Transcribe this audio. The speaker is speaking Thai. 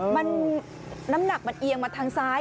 มันน้ำหนักมันเอียงมาทางซ้าย